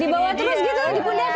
dibawa terus gitu di pundak ya